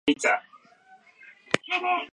Tommy decide quemar el cuerpo de Jane Doe.